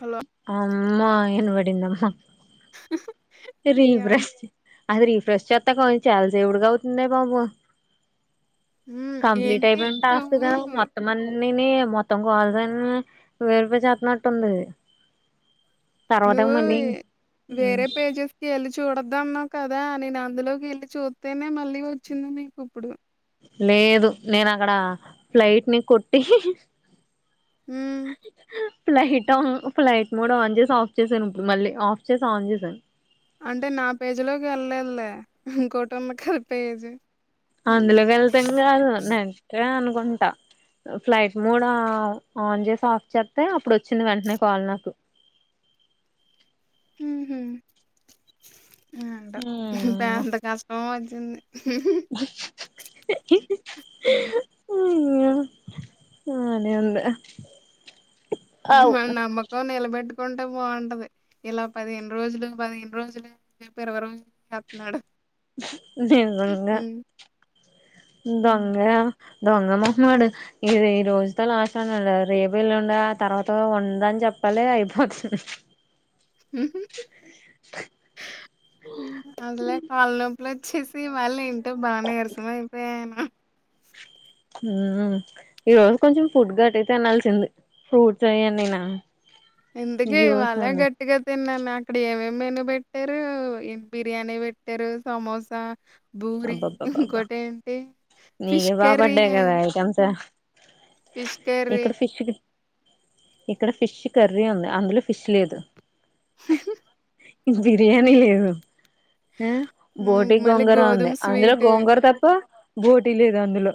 Hello అమ్మా ఏ వడిందమ్మా రీ ఇగ బ్రష్ అది ఫ్రెష్ చేత్తా కొ చల్స ఎవుడుగా అవుతుంది బాబు మ్మ్ కంప్లీట్ ఏంటి అయిపో టాస్క్ నువ్వు మొత్తం నేనే మొత్తం కావాల్స అని వేరిపే చేప్పినట్టు ఉంది నువ్ వేరే పేజెస్ క ఎల్ చూడద్ద అన్నా కదా నేను అందులోకి వెళ్ళి చూస్తేనే మళ్ళీ వచ్చింది నీకు ఇప్పుడు లేదు నేను అక్కడ ఫ్లైట్ ని కొట్టి అ ఫ్లైట్ ఆ ఫ్లైట్ మూడ ఆన్ చేసి ఆఫ్ చేసాను ఇప్పుడు మళ్ళీ ఆఫ్ చేసి ఆన్ చేశాను అంటే నా పేజీ లోకి వెళ్ళళ్ద ఇంకోటమక పేజీ మ్మ్ అందులోకి వెళ్తాం కాదు నంటే అను కుంటా ఫ్లైట్ మూడ ఆన్ చేసి ఆఫ్ చేస్తతే అప్పుడు వచ్చింది వెంటనే కాల్ నాకు హహ అంట ఇ ఎంత బానే కష్టం చిన్న ఓ బానే ఉంది అవ్ మ నమ్మకవ ఎలబెడ్ కుంటే బాగుంటది ఇలా పదిహేను రోజులు పదిహేను రోజులు చెప్పి ఎరవ రోజు చేస్తున్నాడు దే దొంగా ఉమ్, దొంగ దొంగమ్మమాడు ఇ ఈ రోజుతో లాస్ట్ అన్నాడు రేపు ఎల్లుండే తర్వాత ఉందని చెప్పాలి అయిపోతుంది అదిలే కాల్ నొ వచ్చేసి మళ్ళి ఇం అంటే బాన్నీర్ససమయి అయిపోయానమాట ఉ ఈ రోజ్ కొంచెం ఫుడ్ గట్టి తినాల్సింది ఫ్రూట్స్ అయ నేనా ఎందుకు ఇవాళ్ళే గట్టిగా తిన్నాను అక్కడ ఏమిే మెను పెట్టారు బిర్యానీ పెట్టారు సమోసా బూరి ఇంకోటేంటి ఫిష్ నీగదా కర్రీ, బడ్డే కదా అయి కంసా ఫిష్ కర్రీ ఇక్కడ షిఫ్ ది ఇక్కడ ఫిష్ కర్రీ ఉంది అందులో ఫిష్ లేదు ఇంక బిర్యానీ లేదు ఉమ్ హ్మ్. బోటి మళ్ళీ గోంగూర గోధుమ ఉంది అందులో స్వీటు. గోంగూర తప్ప బోటి లేదు అందులో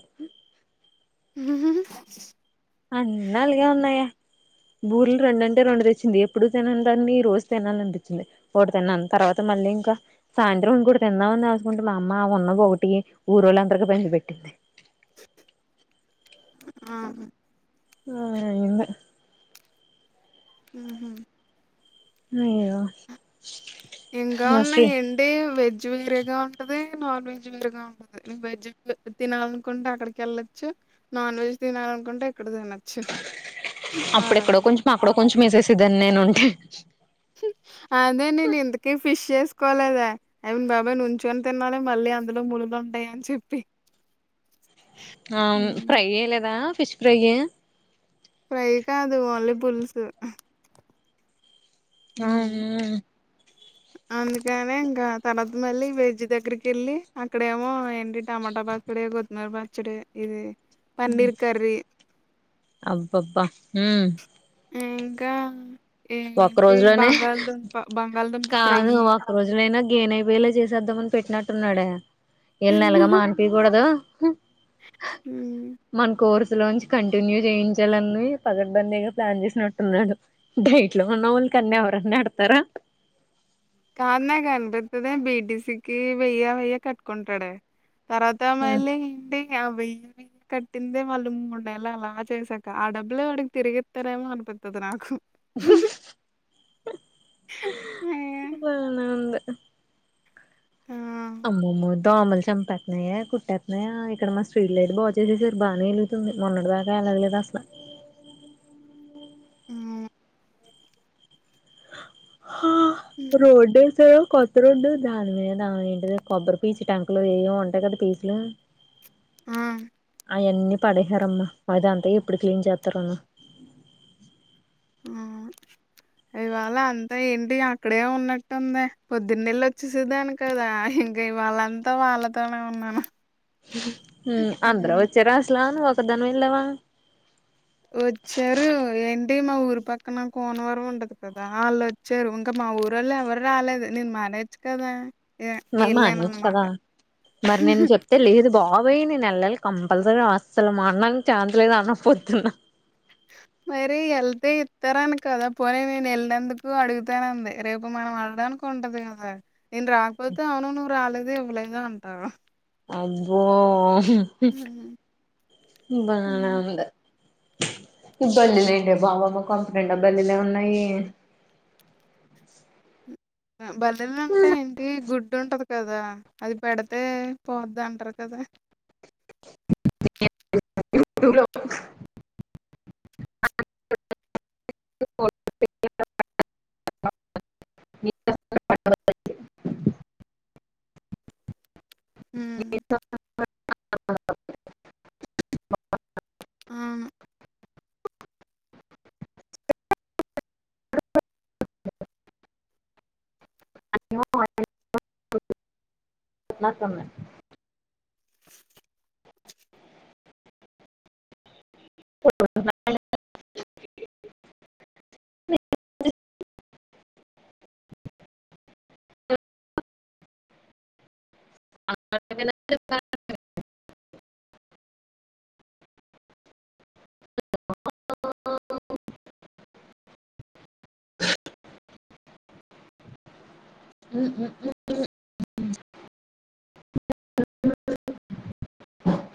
నువ్వు కూడా బూర్లు రెండంటే రెండు తెచ్చింది ఎప్పుడు తినని దాన్ని ఈ రోజు తినాలనిపించింది ఒకటి తిన్నాను తర్వాత మళ్ళీ ఇంకా సాయంత్రం ఇంకటి తిందామని ఆసుకుంటే మా అమ్మ ఉన్న ఒకటి ఊరొళ్ళందరి పంచి పెట్టింది ఉమ్ ఆ ఆ అయింది ఊహు లేయో ఇంకా ఉన్నాయి ఏంటి వెజ వెజ్ వేరేగా ఉంటది నాన్ వెజ్ వేరేగా ఉంటది వెజ్ తినాలనుకుంటే అక్కడికి వెళ్ళొచ్చు నాన్ వెజ్ తినాలనుకుంటే ఇక్కడ తినొచ్చు అలా కొంచం వేసేసి దాన్ని నేను ఉంటే హుమ్ అదే నేను ఎందుకే ఫిష్ చే తీూసుకోలేదె ఐ మీన్ బాబాయ్ నుంచుని తిన్నాాలి మళ్ళీ అందులో ముల్లులు ఉంటాయి అని చెప్పి అవును హ్మ్. ఫ్రై చేయలేదా ఫిష్ ఫ్రై ఫ్రై కాదు ఓన్లి పులుసు హ్మ్. వామ్మో అందుకనే ఇంక తర్వాత మళ్ళీ వేజ్ దగ్గర కెళ్ళి అక్కడేమో ఏంటి టమాట బస్తడెగు మా పచ్చడె ఇది పన్నీర్ కర్రీ, అబ్బబ్బా ఇంకా ఒక్క ఏంటి రోజులోనే బంగాళ దంప బంగాళ దంప ఫ్రై ఏనైపోయలా చేసేద్దామని పెట్టినట్టున్నాడే వీళ్నెలగూ మాన్పియకూడదు [unintelligible] లోంచి కంటిన్యూ చేయించాలని పకడ్బందిగా ప్లాన్ చేసినట్టు ఉన్నాడు డై ట్లో ఉన్నవానికి అన్నెవరన్నా ఎడతారా కాద్ నాకనిపితుంది బీ టి సీ కి వెయ్య వెయ్య కట్టుకుంటాడే తర్వాత మళ్ళీ ఏంటి అవెయ్య కట్టిందే వాళ్ళు మూడేళ్లు అలా చేసాక ఆ డబ్బులే వాడికి తిరిగిత్తారేమో అనిపిత్తది నాకు [unintelligible] ను ఉంది [unintelligible] అమ్మమో దోమలు చంపేతున్నాయే కుట్టేత్తున్నాయే ఇక్కడ మా స్ట్రీట్ లైట్ బాగు చేసేసారు బానే వెలుగుతుంది మొన్నటి దాకా ఎలగలేదు అసల [unintelligible] హా రోడ్డే సో కొత్త రోడ్డు దాని మీదా ఏంటిది కొబ్బరి పీచు ట్యాంకులు ఏయో ఉంటాయి కదా పీసులు ఆ అయన్నీ పడేశారమ్మా అదంతా ఎప్పుడు క్లీన్ చేత్తరో హ్ ఇవాళ అంతా ఏంటి అక్కడే ఉన్నట్టుందే పొద్దున్నేళ్ళొచ్చేసేదాన్ని కదా ఇంకా ఇవాళంతా వాళ్ళతోనే ఉన్నాను. అందరూ హ్మ్ వచ్చారా అసలు ను ఒక్కద్దానివెళ్ళావా వచ్చారు ఏంటి మా ఊరి పక్కన కోనవరం ఉంటది కదా వాళ్ళొచ్చారు ఇంకా మా ఊరోళ్ళెవరు రాలేదు నేను మానేచ్చు కదా మరి వెళ్ళాను మానేవచ్చు అనమాట కదా మరి నేను చెప్తే లేదు. బాబోయ్ నేను ఎళ్ళాలి కంపల్సరీ అస్సలు మానడానికి ఛాన్స్ లేదు అన్నావ్ పొద్దున మరి ఎళ్తే ఇత్తారని కదా పోనీ నేను ఎళ్నందుకు అడుగుతానంది రేపు మనం అడగటానికి ఉంటది కదా నేను రాకపోతే అవును నువ్ రాలే దు ఇవ్వలేదు అంటారు. అబ్బో [unintelligible] బానే ఉంది బల్లిలేంటే బాబమ్మ కొంప నిండా బల్లిలే ఉన్నాయే బల్లెలుంటే ఏంటి గుడ్ డ్డుంటది కదా అది పెడితే పోద్దంటారు కదా! [unintelligible] యూట్యూలో [unintelligible] [unintelligible] ఉమ్, [unintelligible] అవును [unintelligible] న్నట్టుంది ఓ [unintelligible] అ [unintelligible] అ [unintelligible] ఉహు [unintelligible] [unintelligible]